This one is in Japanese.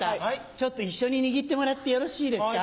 ちょっと一緒に握ってもらってよろしいですか？